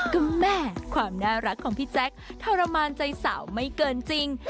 ก็แม่ความน่ารักของพี่แจ๊คทรมานใจสาวไม่เกินจริง